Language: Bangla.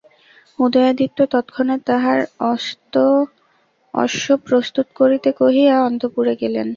উদয়াদিত্য তৎক্ষণাৎ তাঁহার অশ্ব প্রস্তুত করিতে কহিয়া অন্তঃপুরে গেলেন।